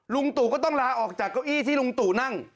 ลุงตู่ก็ต้องลาออกจากเก้าอี้ที่ลุงตู่นั่ง